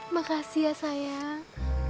makasih ya sayang